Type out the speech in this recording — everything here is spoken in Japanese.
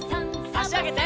あしあげて。